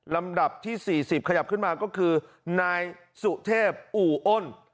ลำดับที่๔๐ขยับขึ้นมาก็คือนายสุเทพอู่อ้น